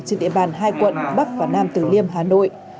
trên địa bàn hai quận bắc và nam tử liêm hà nội